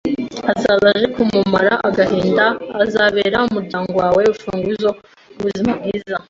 azaza aje kukumara agahinda, azabera umuryango wawe urufunguzo rw’ubuzima bwiza